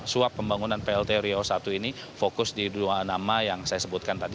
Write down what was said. suap pembangunan plt riau i ini fokus di dua nama yang saya sebutkan tadi